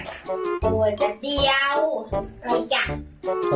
โอ้ยเดี๋ยวไม่จัด